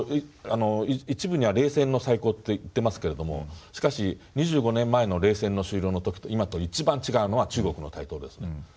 一部には冷戦の再興と言ってますけれどもしかし２５年前の冷戦終了の時と今と一番違うのは中国の台頭ですね。